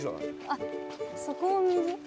あっそこを右？